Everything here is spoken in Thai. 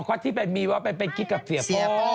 อ๋อก็ที่มีว่าเป็นกิจกับเสียโป้